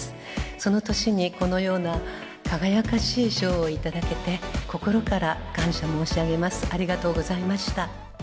その年に、このような輝かしい賞を頂けて、心から感謝申し上げます。